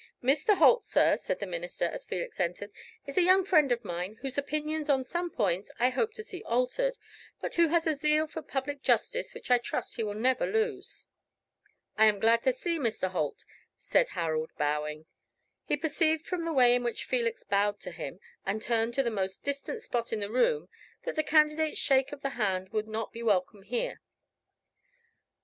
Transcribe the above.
"Mr. Holt, sir," said the minister, as Felix entered, "is a young friend of mine, whose opinions on some points I hope to see altered, but who has a zeal for public justice which I trust he will never lose." "I am glad to see Mr. Holt," said Harold, bowing. He perceived from the way in which Felix bowed to him and turned to the most distant spot in the room, that the candidate's shake of the hand would not be welcome here.